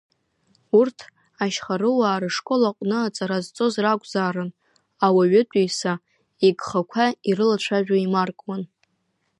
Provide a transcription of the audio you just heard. Урҭ Ашьхаруаа рышкол аҟны аҵара зҵоз ракәзаарын, ауаҩытәыҩса игхақәа ирылацәажәо еимаркуан.